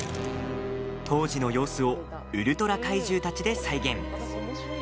当時の様子をウルトラ怪獣たちで再現。